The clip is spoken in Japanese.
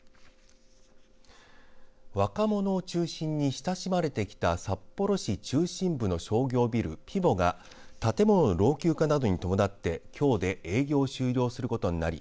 若者を中心に親しまれてきた札幌市中心部の商業ビルピヴォが建物の老朽化などに伴ってきょうで営業を終了することになり